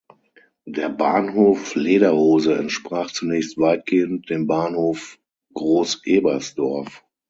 Der "Bahnhof Lederhose" entsprach zunächst weitgehend dem Bahnhof Großebersdorf.